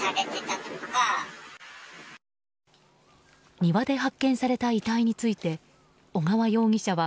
庭で発見された遺体について小川容疑者は